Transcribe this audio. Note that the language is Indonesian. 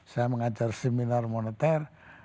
saya mengajar seminar moneter